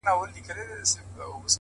دادی حالاتو سره جنگ کوم لگيا يمه زه ـ